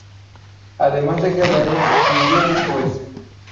Además de guerrero, Miguel es juez.